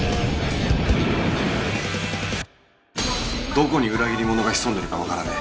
どこに裏切り者が潜んでるかわからねえ。